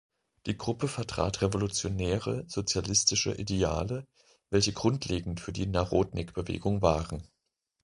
Die Gruppe vertrat revolutionäre sozialistische Ideale, welche grundlegend für die Narodnik-Bewegung waren.